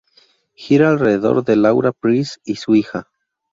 Gira alrededor de Laura Price y su hija.